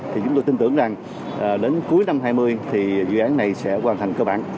thì chúng ta tin tưởng rằng đến cuối năm hai nghìn hai mươi thì dự án này sẽ hoàn thành cơ bản